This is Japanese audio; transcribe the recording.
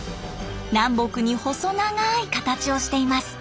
南北に細長い形をしています。